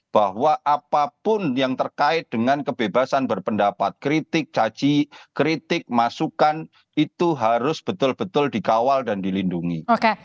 bahwa apapun yang terkait dengan kebebasan berpendapat kritik caci kritik masukan itu harus betul betul dikawal dan dilindungi